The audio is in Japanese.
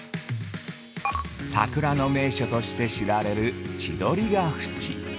◆桜の名所として知られる千鳥ヶ淵。